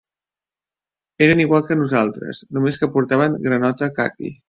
Eren iguals que nosaltres, només que portaven granota caqui.